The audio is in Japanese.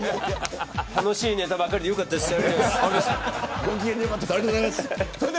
楽しいネタばっかりで良かったです。